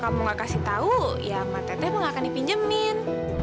kamu nggak kasih tahu ya matanya mengakani pinjemin